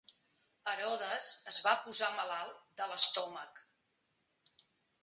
Herodes es va posar malalt de l'estómac.